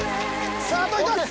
さああと１つ。